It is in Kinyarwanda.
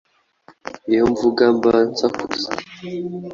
iyo mvuga mba nsakuza